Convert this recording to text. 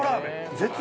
絶妙！